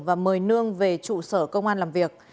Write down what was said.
và mời nương về trụ sở công an làm việc